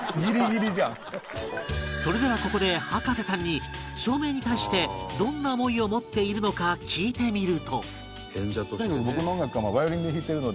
それではここで葉加瀬さんに照明に対してどんな思いを持っているのか聞いてみると